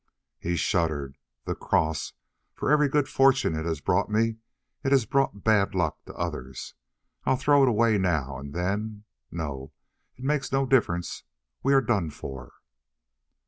He shuddered. "The cross for every good fortune it has brought me, it has brought bad luck to others. I'll throw it away, now and then no, it makes no difference. We are done for."